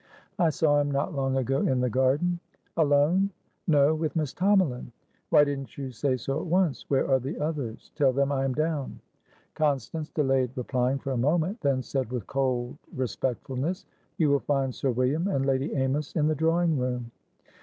"I saw him not long ago in the garden." "Alone?" "No, with Miss Tomalin." "Why didn't you say so at once? Where are the others? Tell them I am down." Constance delayed replying for a moment, then said with cold respectfulness: "You will find Sir William and Lady Amys in the drawing room."